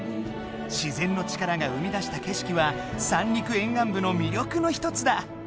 自然の力が生み出した景色は三陸沿岸部の魅力の一つだ！